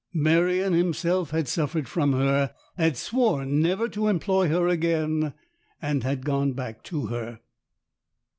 Merion himself had suffered from her, had sworn never to employ her again, and had gone back to her.